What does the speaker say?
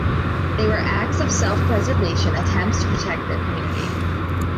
They were acts of self-preservation, attempts to protect their community.